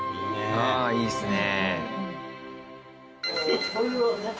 ああいいですね。